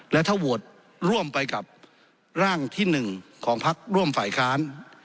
และถ้าโหวตร่วมไปกับร่างที่๑ของพักร่วมฝ่ายค้าน